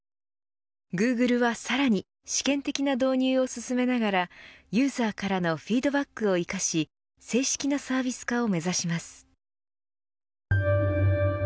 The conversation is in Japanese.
グーグルはさらに試験的な導入を進めながらユーザーからのフィードバックを生かし正式なサービス化を目指します。